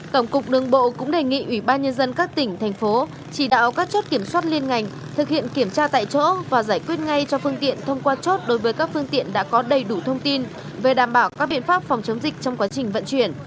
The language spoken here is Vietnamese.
tổng cục đường bộ cũng đề nghị ủy ban nhân dân các tỉnh thành phố chỉ đạo các chốt kiểm soát liên ngành thực hiện kiểm tra tại chỗ và giải quyết ngay cho phương tiện thông qua chốt đối với các phương tiện đã có đầy đủ thông tin về đảm bảo các biện pháp phòng chống dịch trong quá trình vận chuyển